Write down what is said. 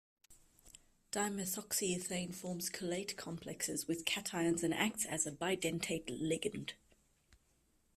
Dimethoxyethane forms chelate complexes with cations and acts as a bidentate ligand.